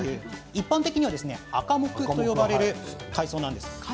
一般的にはアカモクといわれる海藻です。